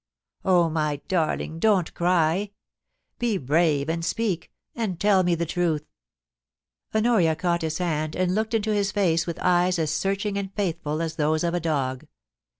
Oh, my darling, don't Ciy ! Be brave and speak, and tell me the truth.' Honoria caught his hand and looked into his face with eyes as searching and faithful as those of a dog.